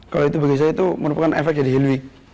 kalau itu bagi saya itu merupakan efek jadi helwig